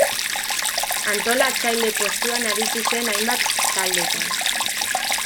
Antolatzaile postuan aritu zen hainbat taldetan.